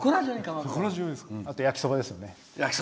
あと焼きそばですよね。